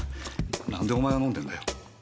何でお前が飲んでんだよ？